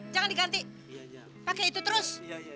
jangan diganti pakai itu terus